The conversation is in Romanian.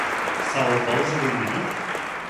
Sau o pauză de un minut?